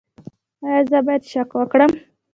ایا زه باید شک وکړم؟